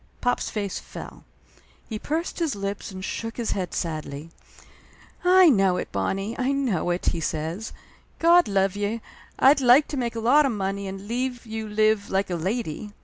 Pop's face fell. He pursed his lips and shook his head sadly. "I know it, Bonnie, I know it!" he said. "God love ye, I'd like to make a lot of money and leave you live like a lady.